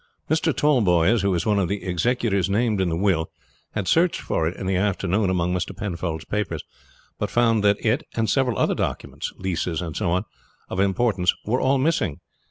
"Mr. Tallboys, who is one of the executors named in the will, had searched for it in the afternoon among Mr. Penfold's papers; but found that it and several other documents leases and so on of importance were all missing.